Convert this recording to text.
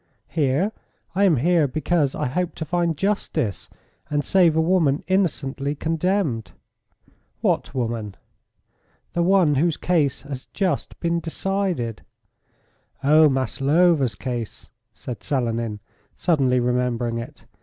"Here? I am here because I hoped to find justice and save a woman innocently condemned." "What woman?" "The one whose case has just been decided." "Oh! Maslova's case," said Selenin, suddenly remembering it.